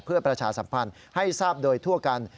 เพื่อประชาสัมพันธ์ให้ทราบโดยทั่วกัน